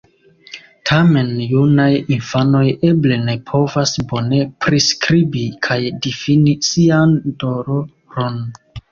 Tamen, junaj infanoj eble ne povas bone priskribi kaj difini sian doloron.